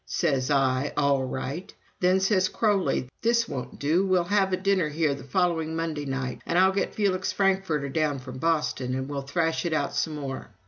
Says I, 'All right!' Then says Croly, 'This won't do; we'll have a dinner here the following Monday night, and I'll get Felix Frankfurter down from Boston, and we'll thrash it out some more!'